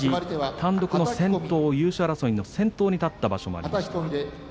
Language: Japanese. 高安は優勝争いの先頭になった場所もありました。